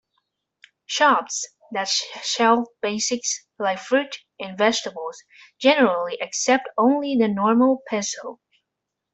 Shops that sell basics like fruit and vegetables generally accept only the normal peso.